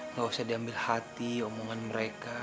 nggak usah diambil hati omongan mereka